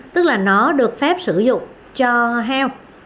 tức là nó được phép sử dụng cho heo